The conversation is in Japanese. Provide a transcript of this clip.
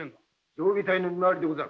常備隊の見回りでござる。